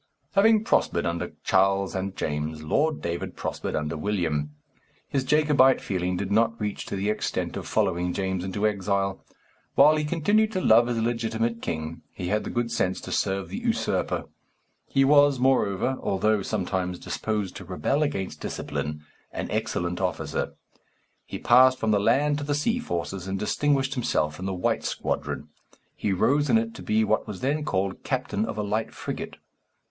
Having prospered under Charles and James, Lord David prospered under William. His Jacobite feeling did not reach to the extent of following James into exile. While he continued to love his legitimate king, he had the good sense to serve the usurper; he was, moreover, although sometimes disposed to rebel against discipline, an excellent officer. He passed from the land to the sea forces, and distinguished himself in the White Squadron. He rose in it to be what was then called captain of a light frigate.